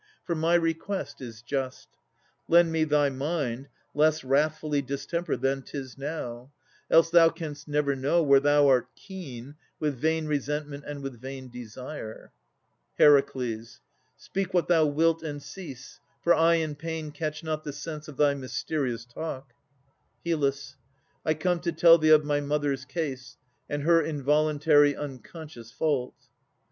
For my request is just. Lend me thy mind Less wrathfully distempered than 'tis now; Else thou canst never know, where thou art keen With vain resentment and with vain desire HER. Speak what thou wilt and cease, for I in pain Catch not the sense of thy mysterious talk HYL. I come to tell thee of my mother's case, And her involuntary unconscious fault.